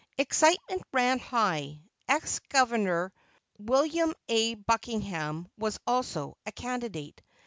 Excitement ran high. Ex Governor Wm. A. Buckingham was also a candidate.